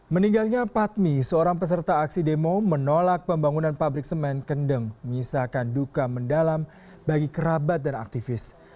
meninggalnya patmi seorang peserta aksi demo menolak pembangunan pabrik semen kendeng menyisakan duka mendalam bagi kerabat dan aktivis